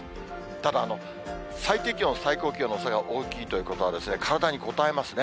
ただ、最低気温、最高気温の差が大きいということは、体にこたえますね。